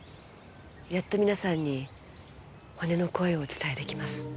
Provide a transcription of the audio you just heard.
やっと皆さんに骨の声をお伝え出来ます。